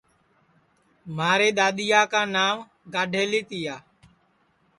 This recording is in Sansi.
مھاری دؔادؔیا کا نانٚو گاڈؔیلی تِیا